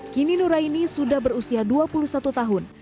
kini nuraini sudah berusia dua puluh satu tahun